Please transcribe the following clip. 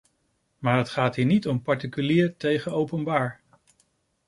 Maar het gaat hier niet om particulier tegen openbaar.